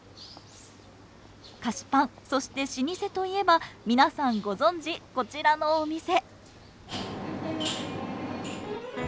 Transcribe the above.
菓子パンそして老舗といえば皆さんご存じこちらのお店いらっしゃいませ。